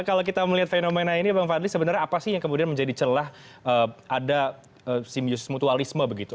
kalau kita melihat fenomena ini bang fadli sebenarnya apa sih yang kemudian menjadi celah ada simbiosis mutualisme begitu